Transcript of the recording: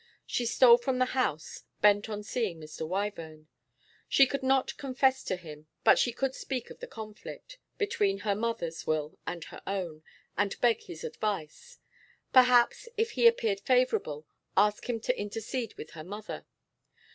She stole from the house, bent on seeing Mr. Wyvern. She could not confess to him, but she could speak of the conflict between her mother's will and her own, and beg his advice; perhaps, if he appeared favourable, ask him to intercede with her mother.